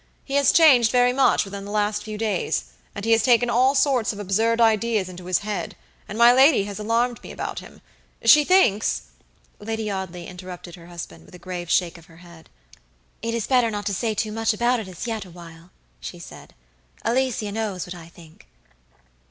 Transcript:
He has changed very much within the last few days, and he has taken all sorts of absurd ideas into his head, and my lady has alarmed me about him. She thinks" Lady Audley interrupted her husband with a grave shake of her head. "It is better not to say too much about it as yet awhile," she said; "Alicia knows what I think."